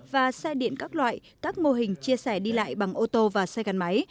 và xe điện các loại các mô hình chia sẻ đi lại bằng ô tô và xe gắn máy